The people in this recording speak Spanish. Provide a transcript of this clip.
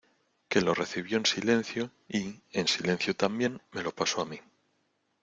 que lo recibió en silencio, y , en silencio también , me lo pasó a mí.